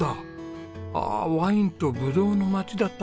ああワインとブドウの町だったんですね！